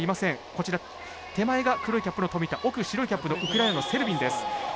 こちら手前が黒いキャップの富田奥白いキャップのウクライナのセルビンです。